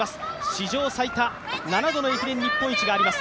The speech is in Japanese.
史上最多７度の駅伝日本一があります。